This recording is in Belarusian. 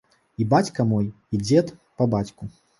І бацька мой, і дзед па бацьку.